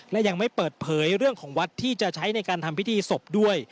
และยังไม่เปิดเผยเรื่องของวัดที่จะใช้ในการทำพิธีศพด้วย